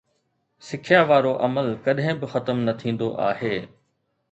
سکيا وارو عمل ڪڏهن به ختم نه ٿيندو آهي